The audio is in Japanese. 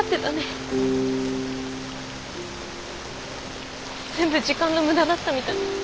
全部時間の無駄だったみたい。